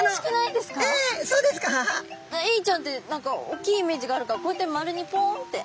エイちゃんって何か大きいイメージがあるからこうやって丸にポンって。